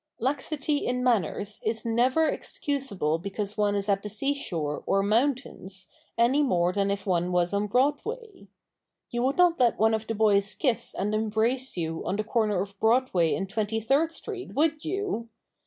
Laxity in manners is never excusable because one is at the seashore or mountains any more than if one was on Broadway. You would not let one of the boys kiss and embrace you on the corner of Broadway and Twenty third street, would you?